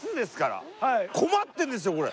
困ってるんですよこれ。